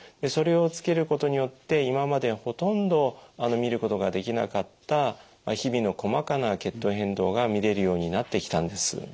それをつけることによって今までほとんど見ることができなかった日々の細かな血糖変動が見れるようになってきたんです。